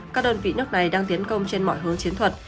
các đơn vị nước này đang tiến công trên mọi hướng chiến thuật